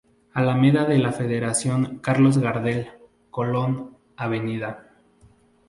Alameda de la Federación, Carlos Gardel, Colón, Av.